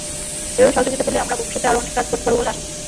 এভাবে সহযোগিতা পেলে আমরা ভবিষ্যতে আরও অনেক কাজ করতে পারব বলে আশাবাদী।